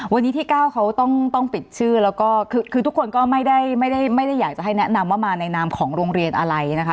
วันนี้ที่๙เขาต้องปิดชื่อแล้วก็คือทุกคนก็ไม่ได้อยากจะให้แนะนำว่ามาในนามของโรงเรียนอะไรนะคะ